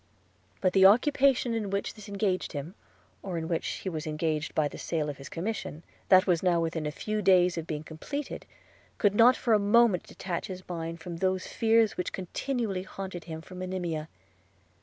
But the occupation in which this engaged him, or in which he was engaged by the sale of his commission, that was now within a few days of being completed, could not for a moment detach his mind from those fears which continually haunted him for Monimia.